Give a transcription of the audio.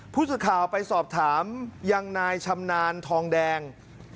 ผู้สิทธิ์ข่าวไปสอบถามอย่างนายชำนานทองแดง